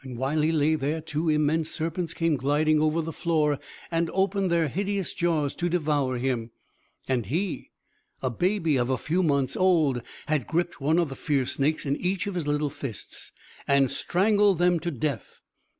While he lay there, two immense serpents came gliding over the floor, and opened their hideous jaws to devour him; and he, a baby of a few months old, had griped one of the fierce snakes in each of his little fists, and strangled them to death.